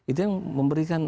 itu yang memberikan